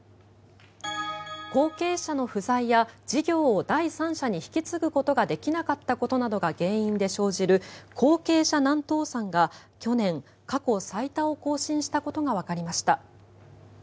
後継者の不在や事業を第三者に引き継ぐことができなかったことなどが原因で生じる後継者難倒産が去年、過去最多を更新したことがわかりました。